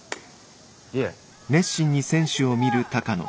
いえ。